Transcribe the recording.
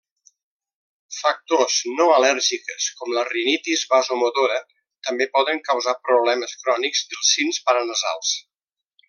Factors no al·lèrgiques com la rinitis vasomotora també poden causar problemes crònics dels sins paranasals.